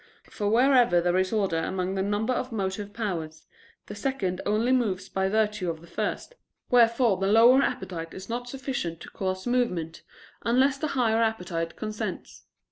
For wherever there is order among a number of motive powers, the second only moves by virtue of the first: wherefore the lower appetite is not sufficient to cause movement, unless the higher appetite consents.